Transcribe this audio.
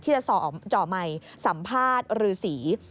ที่จะสอบจ่อใหม่สัมภาษณ์รือศรี